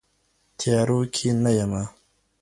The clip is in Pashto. تيارو كي نه يمه